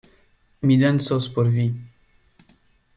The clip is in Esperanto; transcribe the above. Mi dancos por vi.